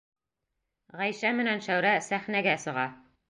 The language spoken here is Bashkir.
Ғәйшә менән Шәүрә сәхнәгә сыға.